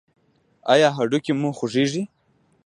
ایا هډوکي مو خوږیږي؟